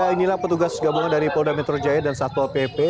inilah petugas gabungan dari polda metro jaya dan satpol pp